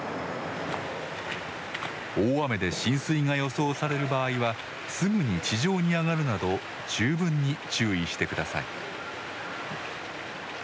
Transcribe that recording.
大雨で浸水が予想される場合はすぐに地上に上がるなど十分に注意してください。